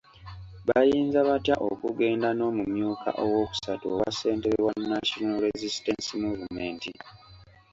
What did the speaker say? Bayinza batya okugenda n’omumyuka owookusatu owa ssentebe wa National Resistance Movement?